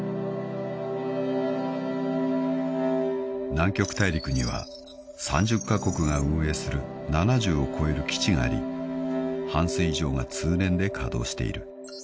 ［南極大陸には３０カ国が運営する７０を超える基地があり半数以上が通年で稼働している］